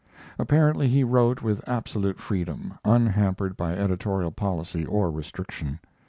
Apparently he wrote with absolute freedom, unhampered by editorial policy or restriction.